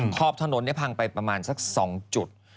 ขอบถนนพังไปประมาณสัก๒จุด